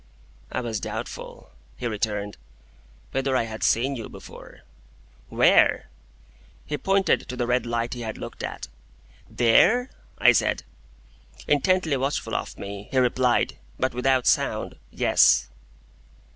"I was doubtful," he returned, "whether I had seen you before." "Where?" He pointed to the red light he had looked at. "There?" I said. Intently watchful of me, he replied (but without sound), "Yes."